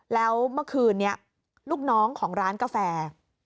แล้วเมื่อคืนนี้ลูกน้องของร้านกาแฟ